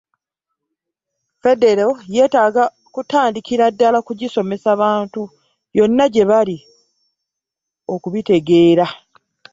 Ffedero yeetaaga kutandikira ku kugisomesa bantu yonna gye bali okubitegeera